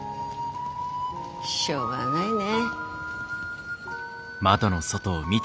しょうがないね。